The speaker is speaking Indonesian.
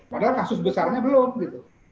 padahal kasus besarnya belum gitu